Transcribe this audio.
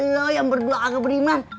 lu yang berdua agak beriman